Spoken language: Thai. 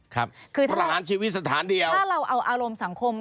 คือประหารชีวิตสถานเดียวถ้าเราเอาอารมณ์สังคม